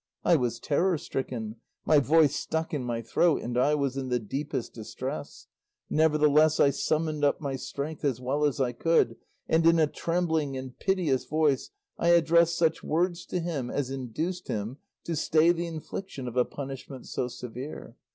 I was terror stricken, my voice stuck in my throat, and I was in the deepest distress; nevertheless I summoned up my strength as well as I could, and in a trembling and piteous voice I addressed such words to him as induced him to stay the infliction of a punishment so severe.